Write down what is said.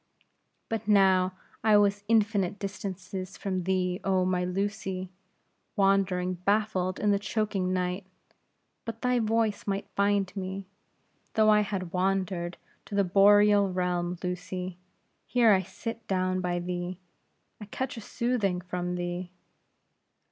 "But now I was infinite distances from thee, oh my Lucy, wandering baffled in the choking night; but thy voice might find me, though I had wandered to the Boreal realm, Lucy. Here I sit down by thee; I catch a soothing from thee."